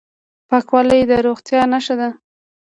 پاکوالی د روغتیا نښه ده.